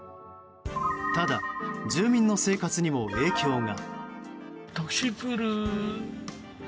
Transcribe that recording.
ただ、住民の生活にも影響が。